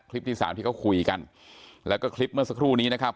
ที่สามที่เขาคุยกันแล้วก็คลิปเมื่อสักครู่นี้นะครับ